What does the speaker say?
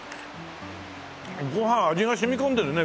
ご飯味が染み込んでるね！